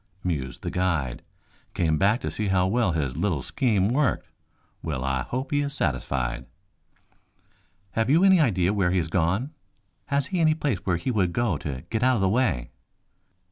mused the guide. "Came back to see how well his little scheme worked? Well, I hope he is satisfied." "Have you any idea where he has gone? Has he any place where he would go to get out of the way?"